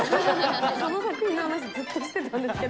その作品の話ずっとしてたんですけど。